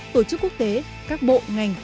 tổ chức quốc tế các bộ ngành